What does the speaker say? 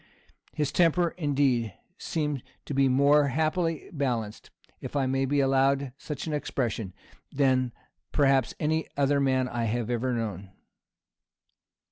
His temper, indeed, seemed to be more happily balanced, if I may be allowed such an expression, than that perhaps of any other man I have ever known.